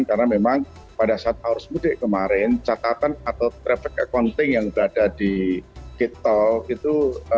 karena memang pada saat arus mudik kemarin catatan atau traffic accounting yang berada di kito itu